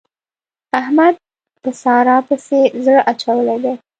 احمد په سارا پسې زړه اچولی دی.